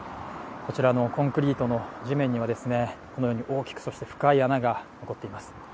こちらのコンクリートの地面にはこのように大きくそして深い穴が残っています。